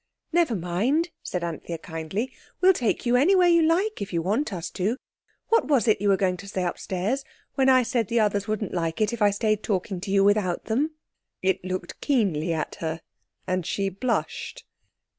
"Never mind," said Anthea kindly; "we'll take you anywhere you like if you want us to. What was it you were going to say upstairs when I said the others wouldn't like it if I stayed talking to you without them?" It looked keenly at her, and she blushed.